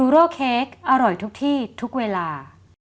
โร่เค้กอร่อยทุกที่ทุกเวลา